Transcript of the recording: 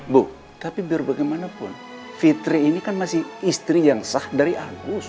bu tapi biar bagaimanapun fitri ini kan masih istri yang sah dari agus